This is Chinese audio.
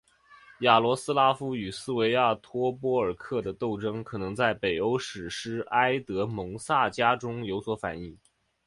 雅罗斯拉夫与斯维亚托波尔克的斗争可能在北欧史诗埃德蒙萨迦中有所反映。